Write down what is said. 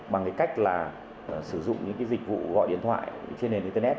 bằng cách sử dụng những dịch vụ gọi điện thoại trên nền internet